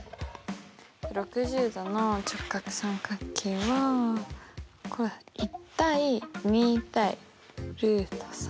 ６０°の直角三角形は１：２：ルート３。